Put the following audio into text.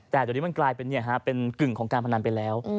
แต่ตอนนี้มันกลายเป็นเป็นกึ่งของการพนันไปแล้ว